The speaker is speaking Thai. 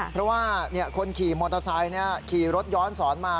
เพราะว่าคนขี่มอเตอร์ไซค์ขี่รถย้อนสอนมา